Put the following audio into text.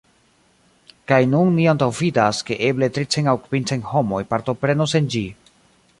Kaj nun ni antaŭvidas, ke eble tricent aŭ kvincent homoj partoprenos en ĝi.